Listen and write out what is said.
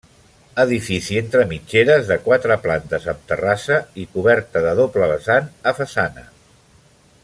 Edifici entre mitgeres de quatre plantes amb terrassa i coberta de doble vessant a façana.